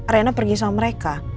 rena pergi sama mereka